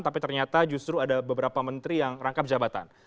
tapi ternyata justru ada beberapa menteri yang rangkap jabatan